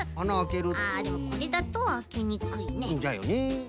あでもこれだとあけにくいね。